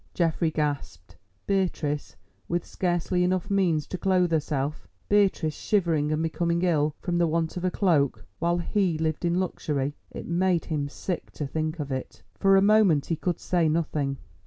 Geoffrey gasped. Beatrice with scarcely enough means to clothe herself—Beatrice shivering and becoming ill from the want of a cloak while he lived in luxury! It made him sick to think of it. For a moment he could say nothing.